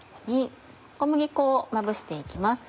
小麦粉をまぶして行きます。